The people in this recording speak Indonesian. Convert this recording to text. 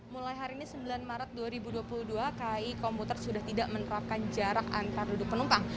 mulai hari ini sembilan maret dua ribu dua puluh dua kai komputer sudah tidak menerapkan jarak antar duduk penumpang